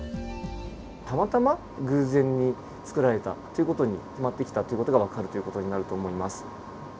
たまたま偶然につくられたという事に決まってきたという事がわかるという事になると思います。